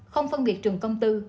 không phân biệt trường công tư